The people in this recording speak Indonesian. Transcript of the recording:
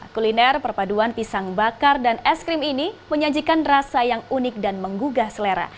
kuliner perpaduan pisang bakar dan es krim ini menyajikan rasa yang unik dan menggugah selera